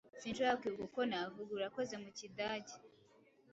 Sinshobora kwibuka uko navuga "Urakoze" mu kidage.